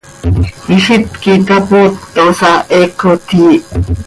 Ilít quih itapootosa, heecot yiih.